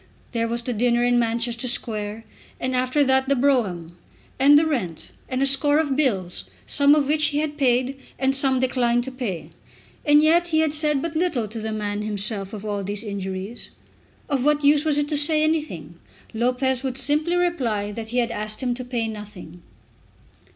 There was the dinner in Manchester Square, and after that the brougham, and the rent, and a score of bills, some of which he had paid and some declined to pay! And yet he had said but little to the man himself of all these injuries. Of what use was it to say anything? Lopez would simply reply that he had asked him to pay nothing.